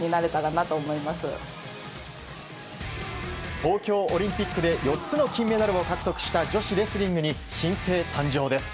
東京オリンピックで４つの金メダルを獲得した女子レスリングに新星誕生です。